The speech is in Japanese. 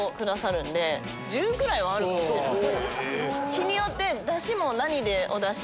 日によって。